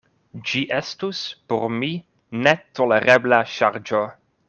Ĝi estus por mi netolerebla ŝarĝo.